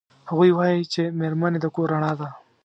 هغوی وایي چې میرمنې د کور رڼا ده